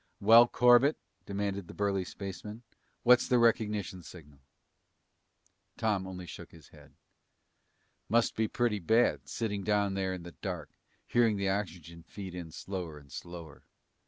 "Well, Corbett," demanded the burly spaceman, "what's the recognition signal?" Tom only shook his head. "Must be pretty bad, sitting down there in the dark, hearing the oxygen feed in slower and slower.